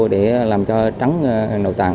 để làm cho trắng nội tạng